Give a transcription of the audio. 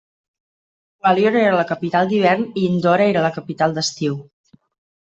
Gwalior era la capital d'hivern i Indore era la capital d'estiu.